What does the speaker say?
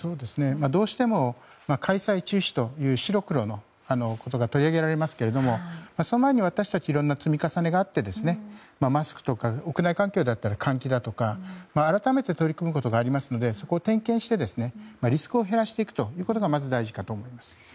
どうしても開催中止という白黒のことが取り上げられますがその前に私たちの今の積み重ねがあってマスクとか、屋内環境だったら換気だったり改めて取り組むことがありますのでそこを点検してリスクを減らしていくことがまず大事だと思います。